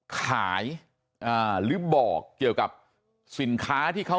ขายอ่าหรือบอกเกี่ยวกับสินค้าที่เขา